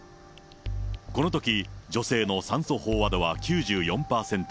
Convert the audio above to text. このとき女性の酸素飽和度は９４％。